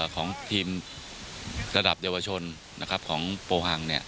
ของทีมระดับเยาวชนของโปฮัง